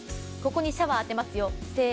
ここにシャワーを当てます。